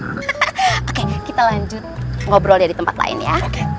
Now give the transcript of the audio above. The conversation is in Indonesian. oke kita lanjut ngobrol ya di tempat lain ya